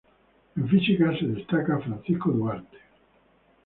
En física se destaca Francisco Duarte.